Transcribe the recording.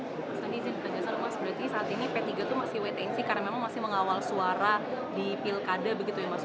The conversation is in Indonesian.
mas tadi saya juga dasar mas berarti saat ini p tiga itu masih wait and see karena memang masih mengawal suara di pilkada begitu ya mas